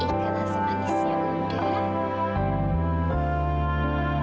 ikan nasi manisnya udah